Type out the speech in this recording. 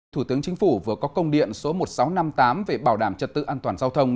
thủ tướng chính phủ vừa có công điện số một nghìn sáu trăm năm mươi tám về bảo đảm trật tự an toàn giao thông